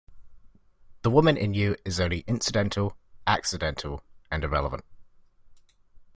The woman in you is only incidental, accidental, and irrelevant.